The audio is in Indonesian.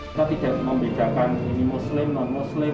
kita tidak membedakan ini muslim non muslim